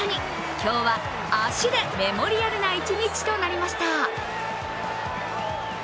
今日は足でメモリアルな１日となりました。